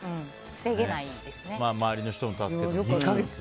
周りの人の助けもあって２か月。